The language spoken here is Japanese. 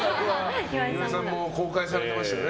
岩井さんも公開されてましたね。